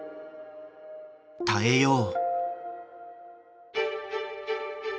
耐えよう。